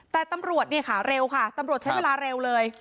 แต่ตำรวจเนี่ยค่ะเร็วค่ะตำรวจใช้เวลาเร็วเลย